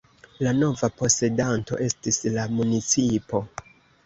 La nova posedanto estis la municipo.